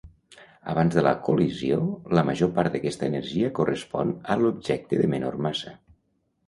Abans de la col·lisió, la major part d'aquesta energia correspon a l'objecte de menor massa.